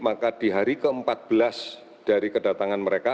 maka di hari ke empat belas dari kedatangan mereka